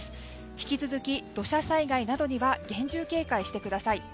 引き続き土砂災害などには厳重警戒してください。